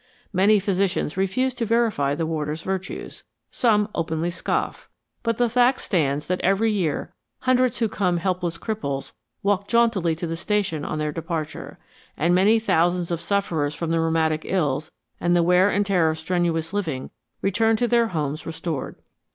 Many physicians refuse to verify the waters' virtues; some openly scoff. But the fact stands that every year hundreds who come helpless cripples walk jauntily to the station on their departure, and many thousands of sufferers from rheumatic ills and the wear and tear of strenuous living return to their homes restored.